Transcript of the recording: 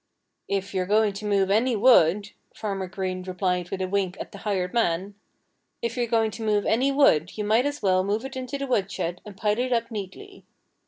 "If you're going to move any wood " Farmer Green replied with a wink at the hired man "if you're going to move any wood you might as well move it into the woodshed and pile it up neatly."